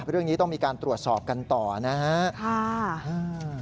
เรื่องนี้ต้องมีการตรวจสอบกันต่อนะฮะค่ะอืม